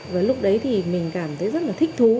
và lúc đấy thì mình cảm thấy rất là thích thú